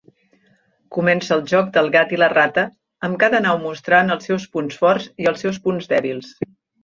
Comença el joc del gat i la rata, amb cada nau mostrant els seus punts forts i els seus punts dèbils.